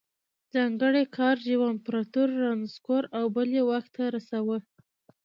ځانګړي ګارډ یو امپرتور رانسکور او بل یې واک ته رساوه